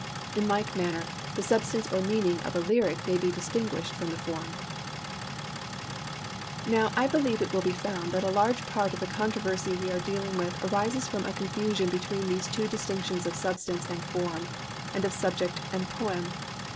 In like manner, the substance or meaning of a lyric may be distinguished from the form. SUBSTANCE AND FORM Now I believe it will be found that a large part of the controversy we are dealing with arises from a confusion between these two distinctions of substance and form, and of subject and poem.